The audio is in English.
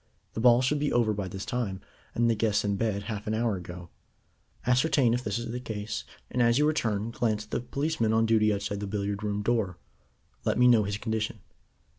The ball should be over by this time, and the guests in bed half an hour ago. Ascertain if this is the case, and as you return glance at the policeman on duty outside the billiard room door. Let me know his condition."